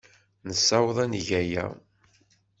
Nessaweḍ ad neg aya.